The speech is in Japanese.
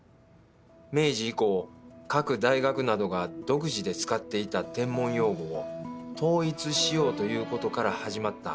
明治以降各大学などが独自で使っていた天文用語を統一しようということから始まったこの会議。